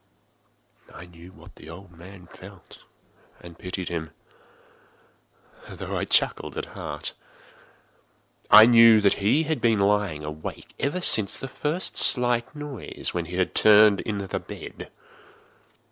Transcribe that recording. I knew what the old man felt, and pitied him, although I chuckled at heart. I knew that he had been lying awake ever since the first slight noise, when he had turned in the bed.